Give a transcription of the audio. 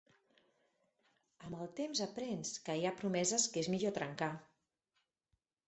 Amb el temps aprens que hi ha promeses que és millor trencar.